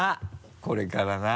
これからな。